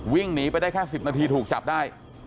วิ่งหนีไปได้แค่๑๐นาทีถูกจับได้